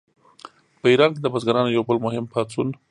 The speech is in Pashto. په ایران کې د بزګرانو یو بل مهم پاڅون و.